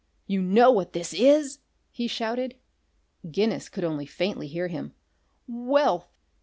"You know what this is?" he shouted. Guinness could only faintly hear him. "Wealth!